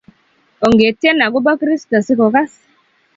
Ongetien agobo Kristo si kokas